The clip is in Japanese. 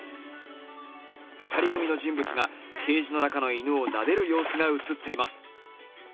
２人組の人物がケージの中の犬をなでる様子が映っています。